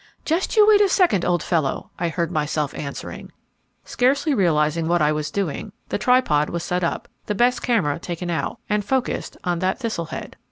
"Just you wait a second, old fellow!" I heard myself answering. Scarcely realizing what I was doing, the tripod was set up, the best camera taken out, and focused on that thistle head.